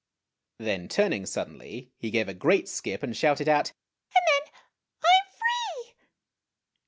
' Then, turning suddenly, he gave a great skip and shouted out, "And then I am free!'